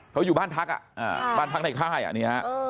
เค้าอยู่บ้านพักในค่ายฮะเนี่ยฮะ